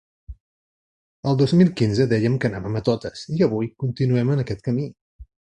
El dos mil quinze dèiem que anàvem a totes, i avui continuem en aquest camí.